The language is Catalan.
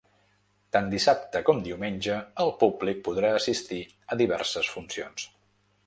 Tant dissabte com diumenge el públic podrà assistir a diverses funcions.